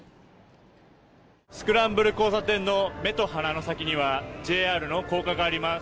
スクランブル交差点の目と鼻の先にはＪＲの高架があります。